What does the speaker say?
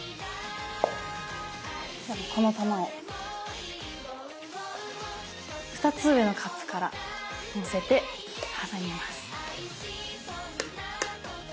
この玉を２つ上のカップからのせて挟みます。